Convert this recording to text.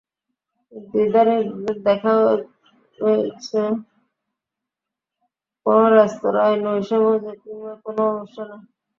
কিন্তু ইদানীং তাঁদের দেখা মিলছে কোনো রেস্তোরাঁয় নৈশভোজে, কিংবা কোনো অনুষ্ঠানে।